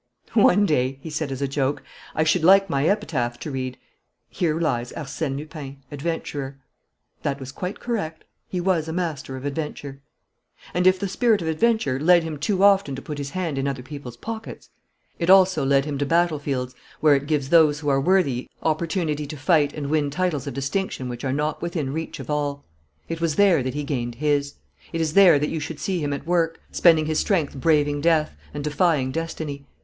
"One day," he said, as a joke, "I should like my epitaph to read, 'Here lies Arsène Lupin, adventurer.'" That was quite correct. He was a master of adventure. "And, if the spirit of adventure led him too often to put his hand in other people's pockets, it also led him to battlefields where it gives those who are worthy opportunity to fight and win titles of distinction which are not within reach of all. It was there that he gained his. It is there that you should see him at work, spending his strength braving death, and defying destiny.